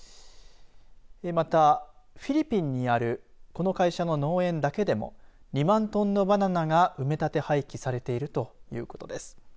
また、フィリピンにあるこの会社の農園だけでも２万トンのバナナが埋め立て廃棄されているということです。